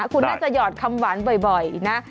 คุณน่าจะหยอดคำหวานบ่อยนะ